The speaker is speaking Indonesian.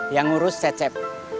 yang ngurus cecep